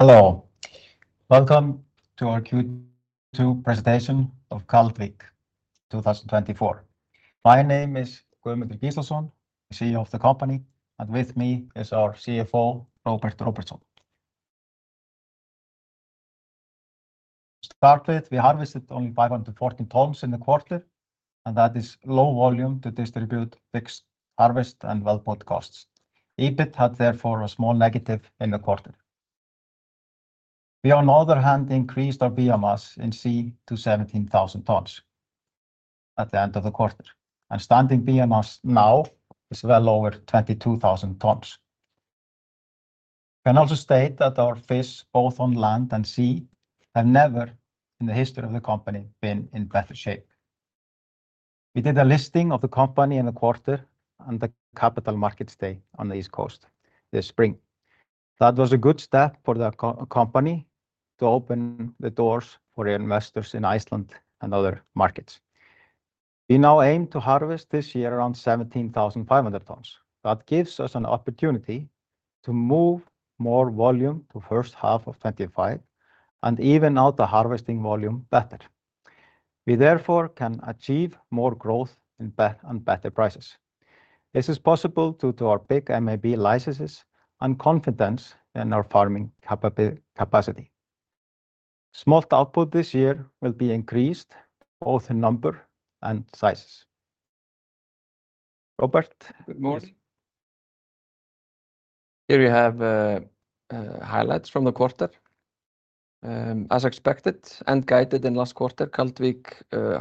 Hello. Welcome to our Q2 presentation of Kaldvik 2024. My name is Guðmundur Gíslason, CEO of the company, and with me is our CFO, Róbert Róbertsson. To start with, we harvested only 514 tons in the quarter, and that is low volume to distribute fixed harvest and wellboat costs. EBIT had therefore a small negative in the quarter. We, on the other hand, increased our biomass in sea to 17,000 tons at the end of the quarter, and standing biomass now is well over 22,000 tons. We can also state that our fish, both on land and sea, have never in the history of the company been in better shape. We did a listing of the company in the quarter and the capital markets day on the East Coast this spring. That was a good step for the company to open the doors for investors in Iceland and other markets. We now aim to harvest this year around 17,500 tons. That gives us an opportunity to move more volume to first half of 2025, and even now, the harvesting volume better. We therefore can achieve more growth and better prices. This is possible due to our big MAB licenses and confidence in our farming capacity. Smolt output this year will be increased, both in number and sizes. Róbert? Good morning. Here we have highlights from the quarter. As expected and guided in last quarter, Kaldvik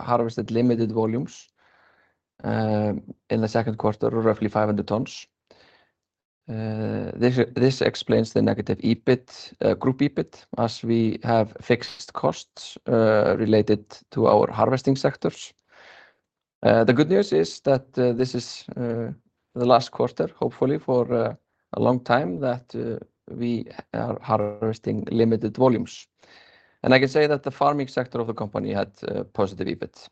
harvested limited volumes in the second quarter, or roughly 500 tons. This explains the negative EBIT, group EBIT, as we have fixed costs related to our harvesting sectors. The good news is that this is the last quarter, hopefully for a long time, that we are harvesting limited volumes. And I can say that the farming sector of the company had positive EBIT.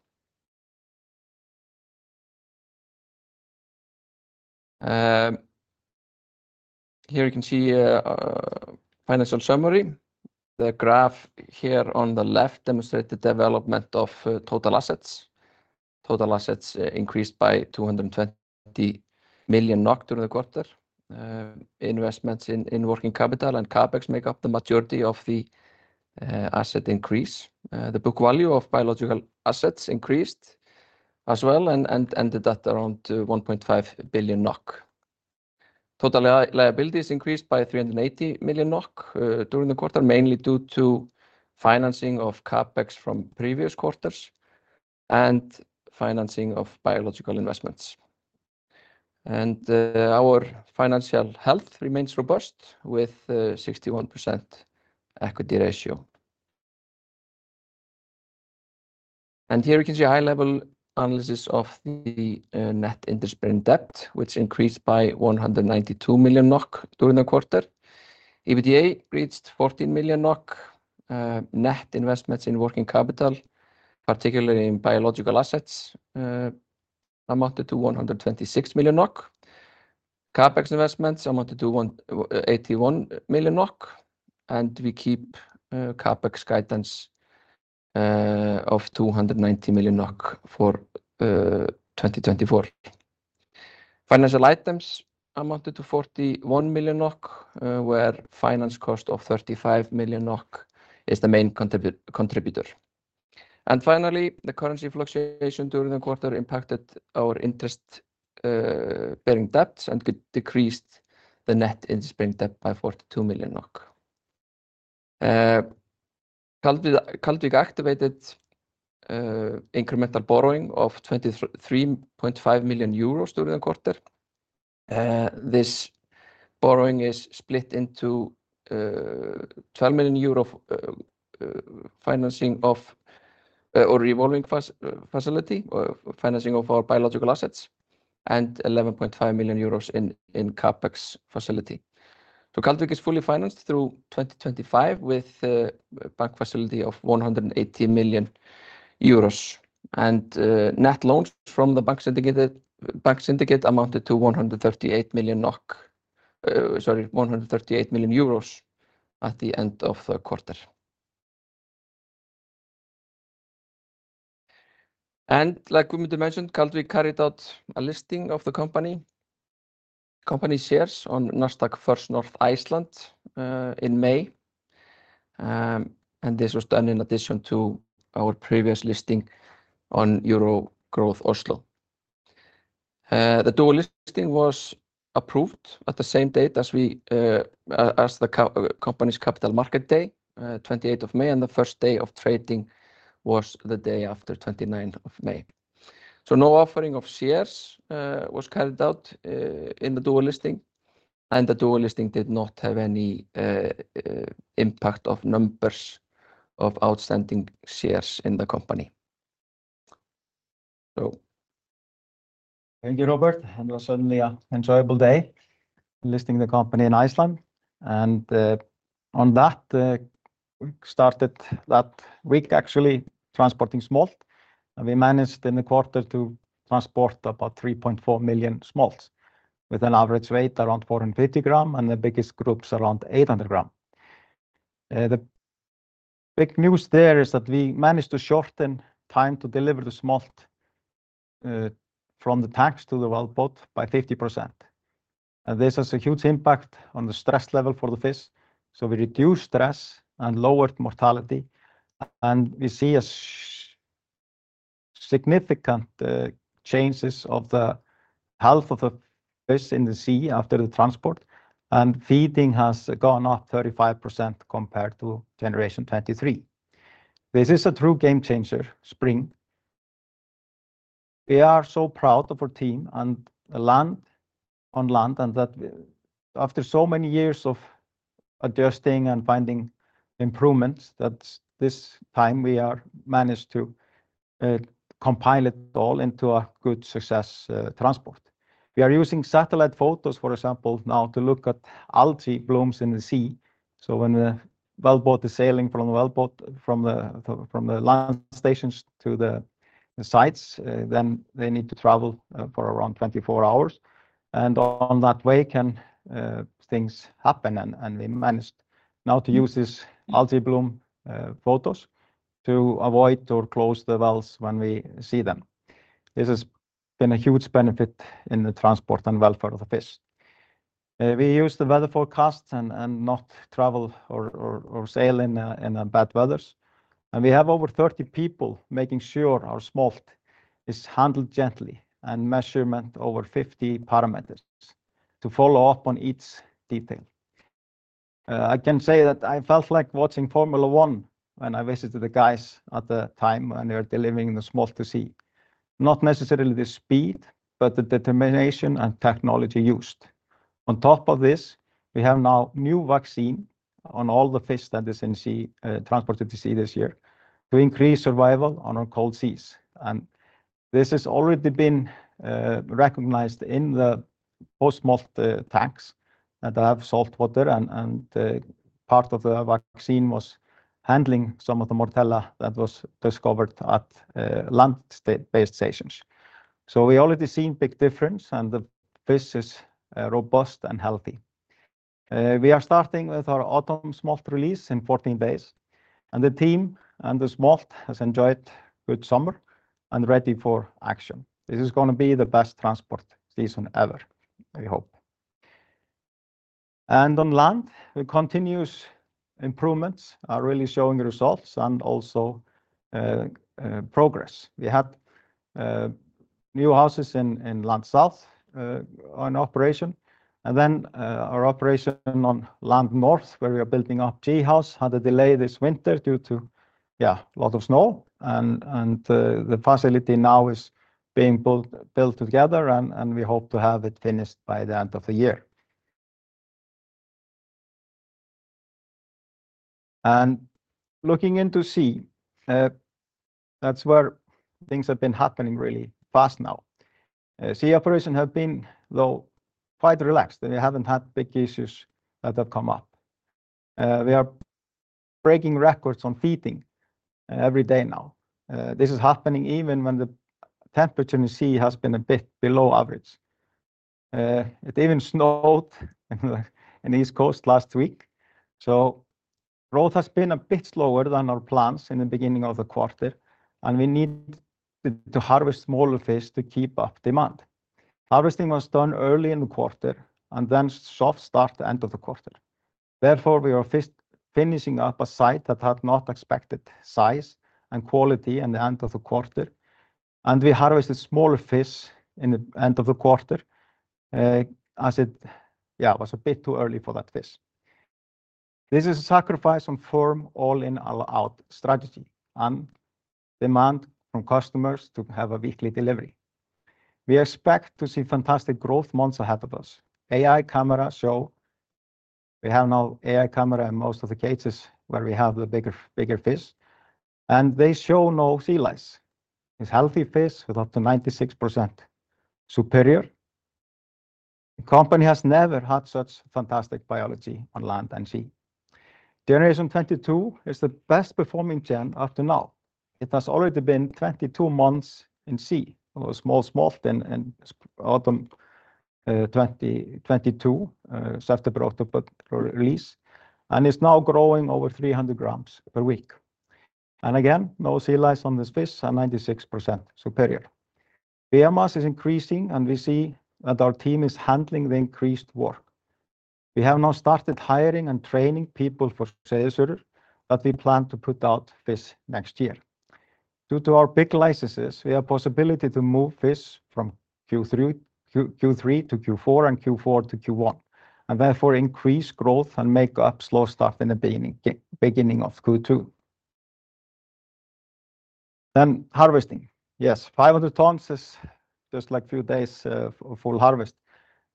Here you can see financial summary. The graph here on the left demonstrate the development of total assets. Total assets increased by 220 million during the quarter. Investments in working capital and CapEx make up the majority of the asset increase. The book value of biological assets increased as well and ended at around 1.5 billion NOK. Total liabilities increased by 380 million NOK during the quarter, mainly due to financing of CapEx from previous quarters and financing of biological investments. Our financial health remains robust, with 61% equity ratio. Here you can see a high-level analysis of the net interest-bearing debt, which increased by 192 million NOK during the quarter. EBITDA reached 14 million NOK. Net investments in working capital, particularly in biological assets, amounted to 126 million NOK. CapEx investments amounted to 81 million NOK, and we keep CapEx guidance of NOK 290 million for 2024. Financial items amounted to 41 million NOK, where finance cost of 35 million NOK is the main contributor. Finally, the currency fluctuation during the quarter impacted our interest bearing debts and could decrease the net interest-bearing debt by 42 million NOK. Kaldvik activated incremental borrowing of 3.5 million euros during the quarter. This borrowing is split into 12 million euro financing of or revolving facility or financing of our biological assets, and 11.5 million euros in CapEx facility. Kaldvik is fully financed through 2025, with bank facility of 180 million euros. Net loans from the bank syndicate amounted to 138 million NOK, sorry, 138 million euros at the end of the quarter. Like we mentioned, Kaldvik carried out a listing of the company, company shares on Nasdaq First North Iceland in May. And this was done in addition to our previous listing on Euronext Growth Oslo. The dual listing was approved at the same date as we, as the company's capital market day, 28th of May, and the first day of trading was the day after, 29th of May. So no offering of shares was carried out in the dual listing, and the dual listing did not have any impact of numbers of outstanding shares in the company. So... Thank you, Robert. And it was certainly an enjoyable day listing the company in Iceland. And, on that, we started that week actually transporting smolt, and we managed in the quarter to transport about 3.4 million smolts, with an average weight around 450 grams, and the biggest groups around 800 grams. The big news there is that we managed to shorten time to deliver the smolt from the tanks to the wellboat by 50%. And this has a huge impact on the stress level for the fish. So we reduced stress and lowered mortality, and we see a significant changes of the health of the fish in the sea after the transport, and feeding has gone up 35% compared to generation 2023. This is a true game changer, spring. We are so proud of our team on the land and that after so many years of adjusting and finding improvements, that this time we have managed to compile it all into a good successful transport. We are using satellite photos, for example, now to look at algae blooms in the sea. So when the wellboat is sailing from the land stations to the sites, then they need to travel for around 24 hours. And on the way, things can happen, and we have managed now to use these algae bloom photos to avoid or close the wells when we see them. This has been a huge benefit in the transport and welfare of the fish. We use the weather forecast and not travel or sail in bad weather. And we have over 30 people making sure our smolt is handled gently and measurement over 50 parameters to follow up on each detail. I can say that I felt like watching Formula One when I visited the guys at the time when they were delivering the smolt to sea. Not necessarily the speed, but the determination and technology used. On top of this, we have now new vaccine on all the fish that is in sea, transported to sea this year, to increase survival on our cold seas. And this has already been recognized in the post-smolt tanks that have saltwater and part of the vaccine was handling some of the Moritella that was discovered at land-based stations. So we already seen big difference, and the fish is robust and healthy. We are starting with our autumn smolt release in 14 days, and the team and the smolt has enjoyed good summer and ready for action. This is going to be the best transport season ever, we hope. On land, the continuous improvements are really showing results and also progress. We have new houses in Land South on operation, and then our operation on Land North, where we are building our G house, had a delay this winter due to a lot of snow. The facility now is being built together, and we hope to have it finished by the end of the year. Looking into sea, that is where things have been happening really fast now. Sea operation have been, though, quite relaxed. We have not had big issues that have come up. We are breaking records on feeding every day now. This is happening even when the temperature in the sea has been a bit below average. It even snowed in the East Coast last week. Growth has been a bit slower than our plans in the beginning of the quarter, and we need to harvest smaller fish to keep up demand. Harvesting was done early in the quarter and then soft start end of the quarter. Therefore, we are finishing up a site that had not expected size and quality in the end of the quarter, and we harvested smaller fish in the end of the quarter. Yeah, it was a bit too early for that fish. This is a sacrifice on firm all-in-all-out strategy and demand from customers to have a weekly delivery. We expect to see fantastic growth months ahead of us. AI cameras show we have now AI cameras in most of the cages where we have the bigger, bigger fish, and they show no sea lice. It's healthy fish with up to 96% superior. The company has never had such fantastic biology on land and sea. Generation 22 is the best performing gen up to now. It has already been 22 months in sea, or small smolt in in autumn 2022 September October release, and is now growing over 300 grams per week. Again, no sea lice on this fish and 96% superior. Biomass is increasing, and we see that our team is handling the increased work. We have now started hiring and training people for Sæsilfur that we plan to put out fish next year. Due to our big licenses, we have possibility to move fish from Q3-Q4 and Q4-Q1, and therefore increase growth and make up slow start in the beginning of Q2. Then harvesting. Yes, 500 tons is just like few days of full harvest,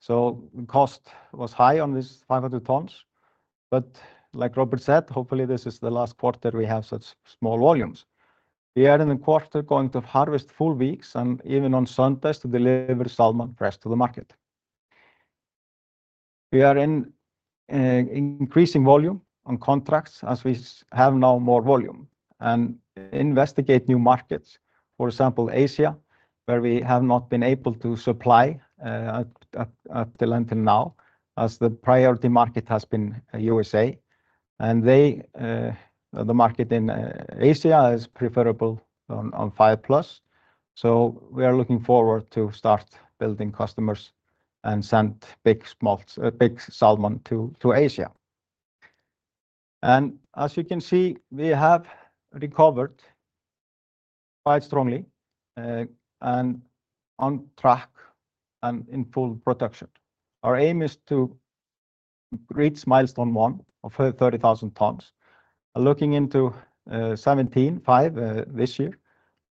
so cost was high on this 500 tons. But like Robert said, hopefully, this is the last quarter we have such small volumes. We are in the quarter going to harvest full weeks and even on Sundays to deliver salmon fresh to the market. We are increasing volume on contracts as we have now more volume, and investigate new markets. For example, Asia, where we have not been able to supply until now, as the priority market has been USA. And they, the market in Asia is preferable on 5+, so we are looking forward to start building customers and send big smolts, big salmon to Asia. And as you can see, we have recovered quite strongly, and on track and in full production. Our aim is to reach milestone one of 30,000 tons. Looking into 17.5 this year,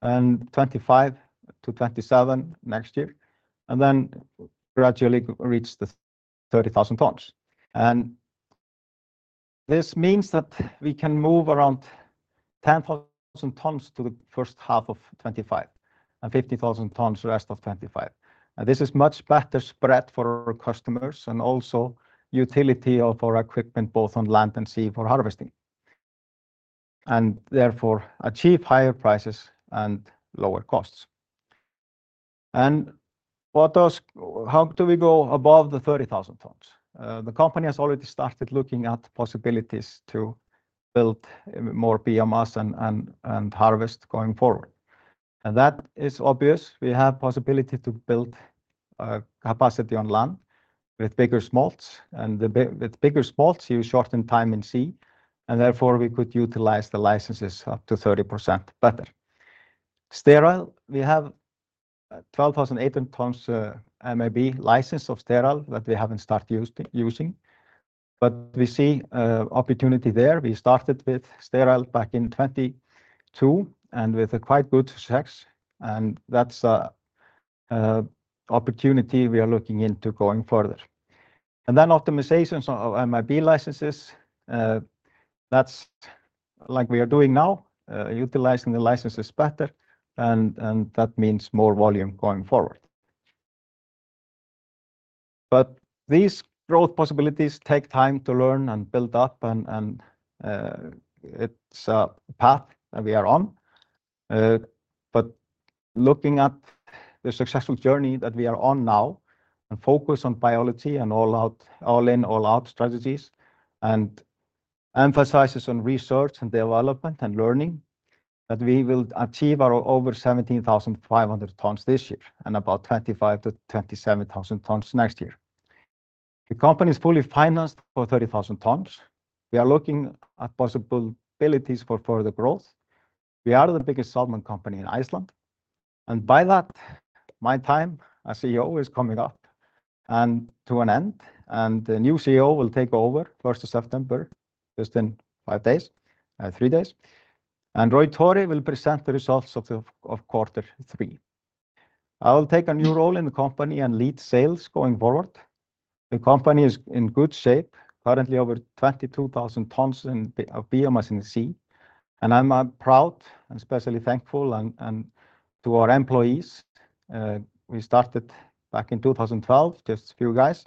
and 25-27 next year, and then gradually reach the 30,000 tons. And this means that we can move around 10,000 tons to the first half of 2025, and 50,000 tons rest of 2025. And this is much better spread for our customers and also utility of our equipment, both on land and sea, for harvesting, and therefore achieve higher prices and lower costs. And what does... How do we go above the 30,000 tons? The company has already started looking at possibilities to build more biomass and harvest going forward. That is obvious. We have possibility to build capacity on land with bigger smolts, and with bigger smolts, you shorten time in sea, and therefore we could utilize the licenses up to 30% better. Sterile, we have 12,800 tons MAB license of sterile that we haven't started using, but we see opportunity there. We started with sterile back in 2022, and with a quite good success, and that's a opportunity we are looking into going further. Then optimizations of MAB licenses, that's like we are doing now, utilizing the licenses better, and that means more volume going forward. These growth possibilities take time to learn and build up, and it's a path that we are on. But looking at the successful journey that we are on now, and focus on biology and all out, all in, all out strategies, and emphasizes on research and development and learning, that we will achieve our over 17,500 tons this year, and about 25,000-27,000 tons next year. The company is fully financed for 30,000 tons. We are looking at possibilities for further growth. We are the biggest salmon company in Iceland, and by that, my time as CEO is coming up and to an end, and the new CEO will take over first of September, just in five days, three days. Roy-Tore will present the results of quarter three. I will take a new role in the company and lead sales going forward. The company is in good shape, currently over 22,000 tons in biomass in the sea, and I'm proud and especially thankful and to our employees. We started back in 2012, just a few guys,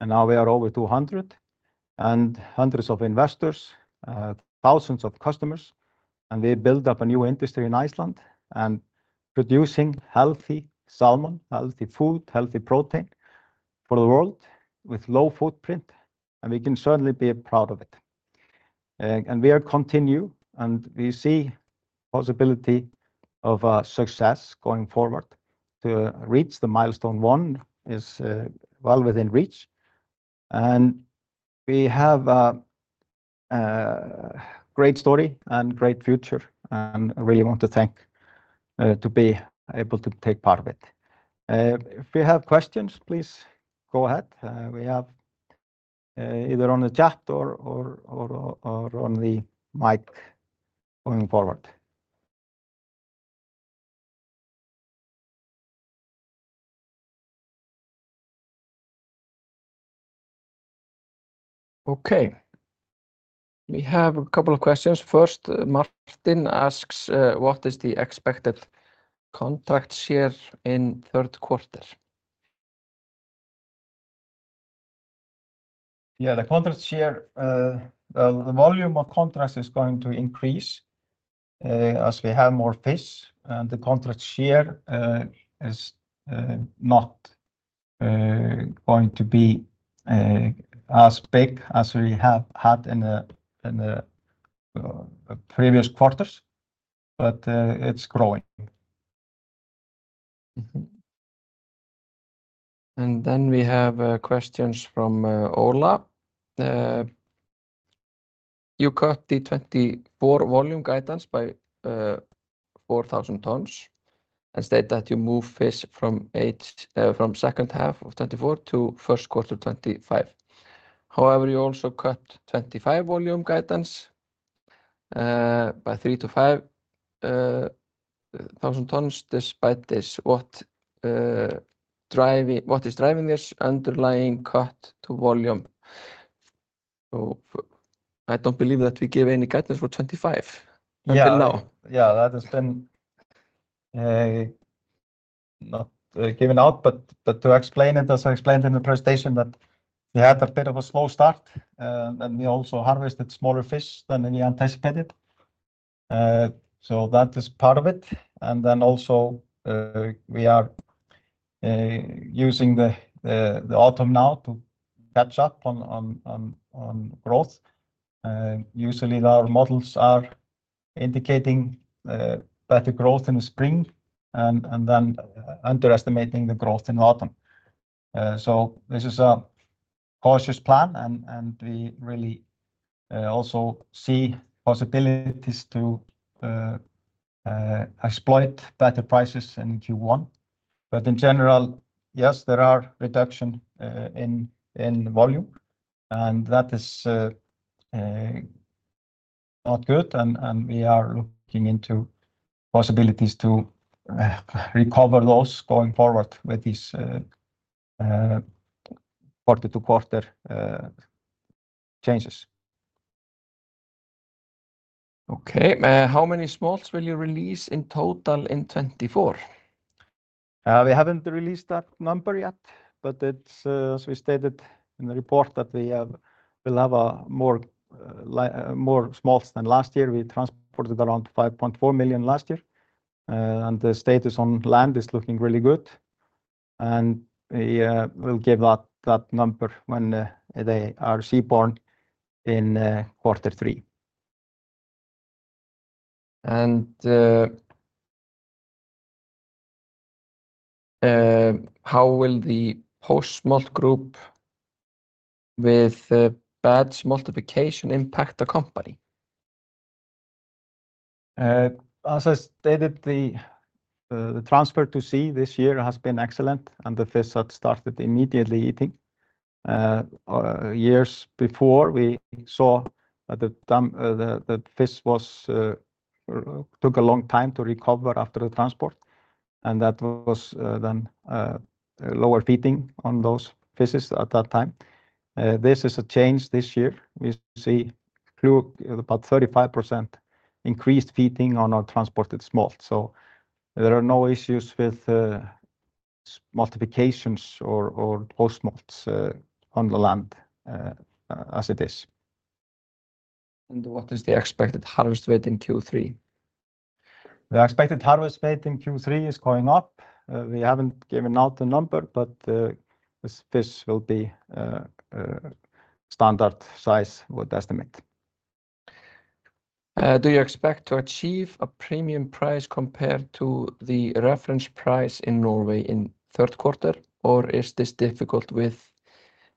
and now we are over 200, and hundreds of investors, thousands of customers, and we built up a new industry in Iceland, and producing healthy salmon, healthy food, healthy protein for the world with low footprint, and we can certainly be proud of it. And we are continue, and we see possibility of success going forward to reach the milestone one is well within reach. We have a great story and great future, and I really want to thank to be able to take part of it. If you have questions, please go ahead. We have either on the chat or on the mic going forward. Okay. We have a couple of questions. First, Martin asks, "What is the expected contract share in third quarter? Yeah, the contract share, well, the volume of contracts is going to increase, as we have more fish, and the contract share is not going to be as big as we have had in the previous quarters, but it's growing. Mm-hmm. And then we have questions from Ola. You cut the 2024 volume guidance by 4,000 tons and state that you move fish from second half of 2024 to first quarter 2025. However, you also cut 2025 volume guidance by 3,000-5,000 tons. Despite this, what is driving this underlying cut to volume? I don't believe that we gave any guidance for 2025 until now. Yeah. Yeah, that has been not given out, but to explain it, as I explained in the presentation, that we had a bit of a slow start, and we also harvested smaller fish than we anticipated. So that is part of it. And then also, we are using the autumn now to catch up on growth. Usually our models are indicating better growth in the spring and then underestimating the growth in autumn. So this is a cautious plan, and we really also see possibilities to exploit better prices in Q1. But in general, yes, there are reduction in volume, and that is not good, and we are looking into possibilities to recover loss going forward with these quarter-to-quarter changes. Okay. How many smolts will you release in total in 2024? We haven't released that number yet, but it's, as we stated in the report, that we have. We'll have more smolts than last year. We transported around 5.4 million last year. And the status on land is looking really good, and we will give that number when they are seaborne in quarter three. How will the post-smolt group with batch multiplication impact the company? As I stated, the transfer to sea this year has been excellent, and the fish had started immediately eating. Years before, we saw that the fish was took a long time to recover after the transport, and that was then lower feeding on those fishes at that time. This is a change this year. We see through about 35% increased feeding on our transported smolt. So there are no issues with multiplications or post-smolts on the land as it is. What is the expected harvest weight in Q3? The expected harvest weight in Q3 is going up. We haven't given out the number, but this fish will be a standard size, we'd estimate. Do you expect to achieve a premium price compared to the reference price in Norway in third quarter, or is this difficult with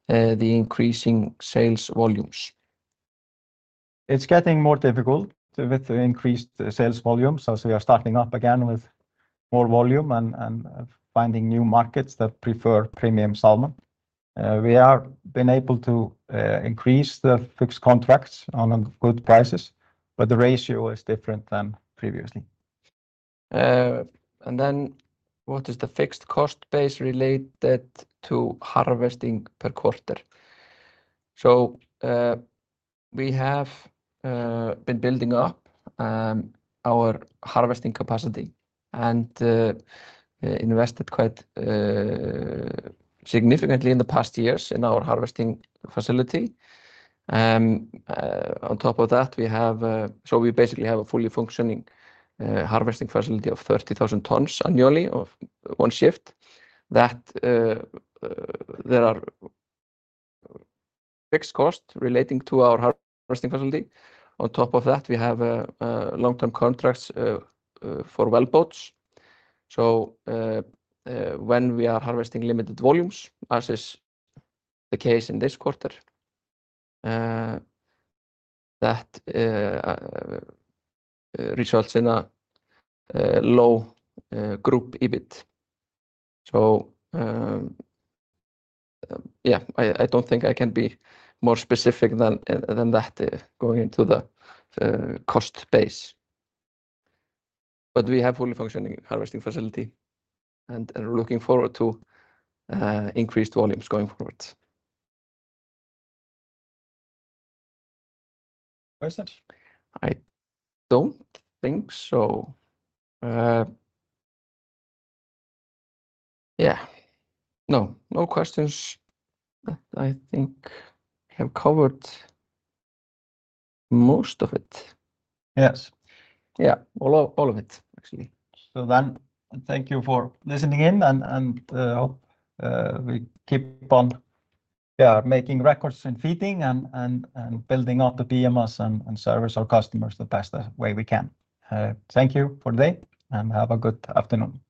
the increasing sales volumes? It's getting more difficult with the increased sales volumes, as we are starting up again with more volume and finding new markets that prefer premium salmon. We are been able to increase the fixed contracts on the good prices, but the ratio is different than previously. And then what is the fixed cost base related to harvesting per quarter? So, we have been building up our harvesting capacity and invested quite significantly in the past years in our harvesting facility. On top of that, we have... So we basically have a fully functioning harvesting facility of 30,000 tonnes annually of one shift. That there are fixed costs relating to our harvesting facility. On top of that, we have long-term contracts for wellboats. So, when we are harvesting limited volumes, as is the case in this quarter, that results in a low group EBIT. So, yeah, I don't think I can be more specific than that going into the cost base. But we have fully functioning harvesting facility and looking forward to increased volumes going forward. Questions? I don't think so. Yeah. No, no questions. I think I have covered most of it. Yes. Yeah, all of it, actually. So then, thank you for listening in and hope we keep on making records and feeding and building up the PMS and service our customers the best way we can. Thank you for today, and have a good afternoon.